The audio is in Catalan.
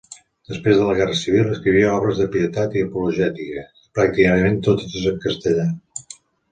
Després de la guerra civil escriví obres de pietat i apologètica, pràcticament totes en castellà.